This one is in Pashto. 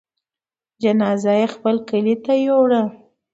جنازه يې خپل کلي ته يووړه.